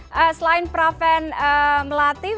oke selain pra fan melatih